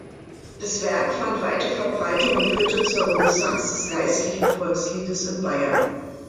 Das Werk fand weite Verbreitung und führte zur Renaissance des geistlichen Volksliedes in Bayern.